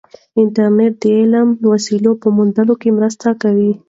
انټرنیټ د علمي وسایلو په موندلو کې مرسته کوي.